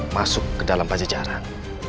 masuk ke dalam pejajaran